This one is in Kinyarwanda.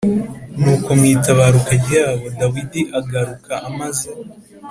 Nuko mu itabaruka ryabo Dawidi agaruka amaze